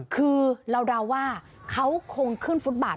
คือเราเดาว่าเขาคงขึ้นฟุตบาท